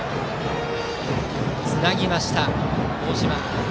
つなぎました、大島。